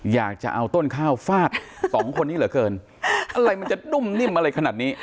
อยากจะเอาต้นข้าวฟาดสองคนนี้เหลือเกินอะไรมันจะนุ่มนิ่มอะไรขนาดนี้